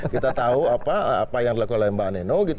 kita tahu apa yang dilakukan oleh mbak neno